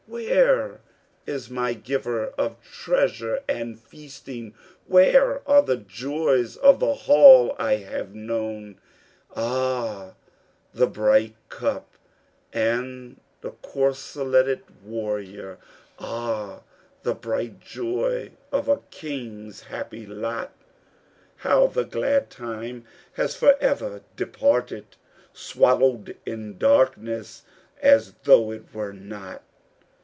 Where is my giver of treasure and feasting? Where are the joys of the hall I have known? Ah, the bright cup and the corseleted warrior Ah, the bright joy of a king's happy lot! How the glad time has forever departed, Swallowed in darkness, as though it were not!